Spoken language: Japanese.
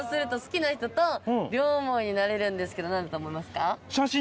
になれるんですけど何だと思いますか？